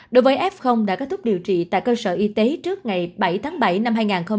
đối với f đã kết thúc điều trị tại cơ sở y tế trước ngày bảy tháng bảy năm hai nghìn hai mươi